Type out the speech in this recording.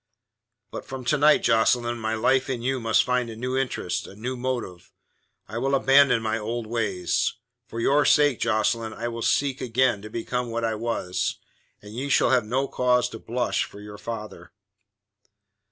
"But from to night, Jocelyn, my life in you must find a new interest, a new motive. I will abandon my old ways. For your sake, Jocelyn, I will seek again to become what I was, and you shall have no cause to blush for your father."